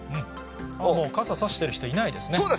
もう傘差してる人いないです